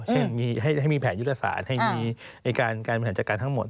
เช่นให้มีแผนยุทธศาสตร์ให้มีการบริหารจัดการทั้งหมด